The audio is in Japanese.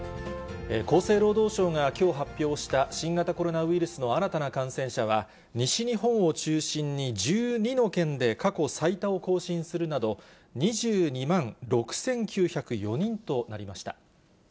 厚生労働省がきょう発表した新型コロナウイルスの新たな感染者は、西日本を中心に１２の県で過去最多を更新するなど、２２万６９０４人となりました。